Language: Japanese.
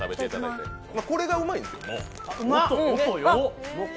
これでうまいんですよ、もう。